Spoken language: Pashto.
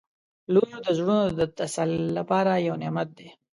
• لور د زړونو د تسل لپاره یو نعمت دی.